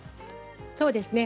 そうですね